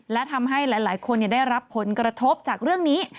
และทำให้หลายคนได้รับผลกระทบจากเรื่องนี้